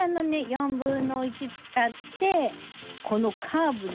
４分の１使ってこのカーブにね